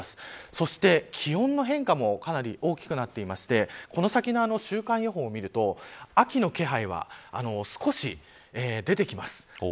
そして、気温の変化もかなり大きくなっていてこの先の週間予報を見ると秋の気配は少し出てきます。